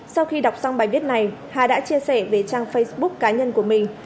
sau khi đọc xong bài viết này hà đã chia sẻ về trang facebook cá nhân của mình